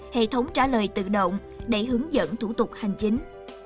hệ thống trả lời tự động để hướng dẫn thủ tục hành chính